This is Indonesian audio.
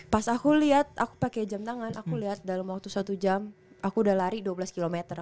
pas aku liat aku pake jam tangan aku liat dalam waktu satu jam aku udah lari dua belas kilometer